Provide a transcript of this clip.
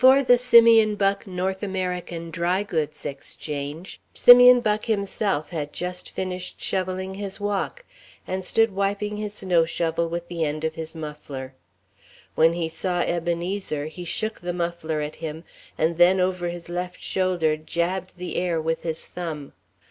Before the Simeon Buck North American Dry Goods Exchange, Simeon Buck himself had just finished shoveling his walk, and stood wiping his snow shovel with an end of his muffler. When he saw Ebenezer, he shook the muffler at him, and then, over his left shoulder, jabbed the air with his thumb.